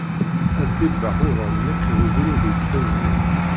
Ad bibbeɣ uḍan nekk d ugrud yetqinẓin.